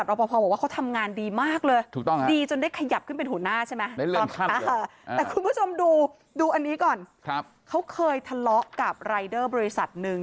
ตัวนี้ก่อนเค้าเคยทะเลาะกับรายเดอร์บริษัทหนึ่ง